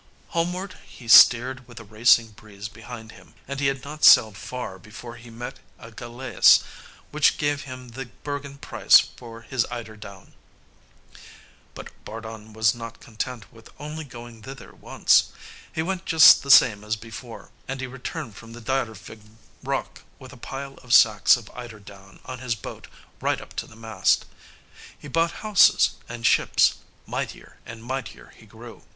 Homeward he steered with a racing breeze behind him, and he had not sailed far before he met a galeas which gave him the Bergen price for his eider down. But Bardun was not content with only going thither once. He went just the same as before, and he returned from the Dyrevig rock with a pile of sacks of eider down on his boat right up to the mast. He bought houses and ships; mightier and mightier he grew.